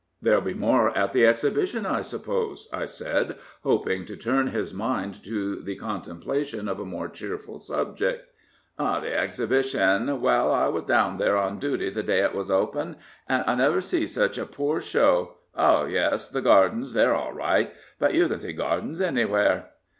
"There'll be more at the Exhibition, I suppose?" I said, hoping to turn his mind to the contemplation of a more cheerful subject, " The Exhibition 1 Well, 334 Gilbert K. Chesterton I was down there on duty the day it was opened, and I never see such a poor show. Oh yes, the gardens; they're all right, but you can see gardens anywhere."